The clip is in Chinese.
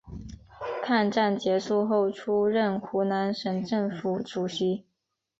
抗战结束后出任湖南省政府主席。